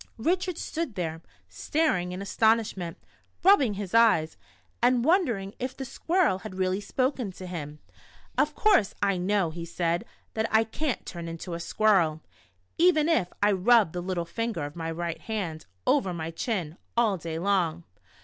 Richard stood there, staring in astonishment, rubbing his eyes, and wondering if the squirrel had. M^hat the Squirrel Did for Richard. loi really spoken to him. " Of course I know." he said, "that I can't turn into a squirrel, even if I rubbed the little finger of my right hand o\ er my chin, all day long."